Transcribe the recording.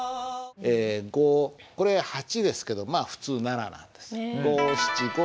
え５これ８ですけどまあ普通７なんです。